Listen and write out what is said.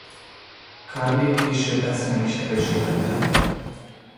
Cardi később ezt meg is erősítette.